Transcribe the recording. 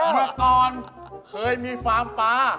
มาตอนเคยมีฟาร์มปลา